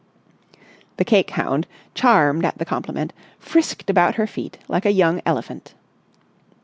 The cake hound, charmed at the compliment, frisked about her feet like a young elephant.